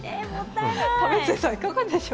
為末さん、いかがでしょう。